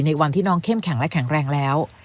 วันที่น้องเข้มแข็งและแข็งแรงแล้ว